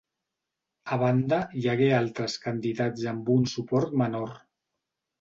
A banda hi hagué altres candidats amb un suport menor.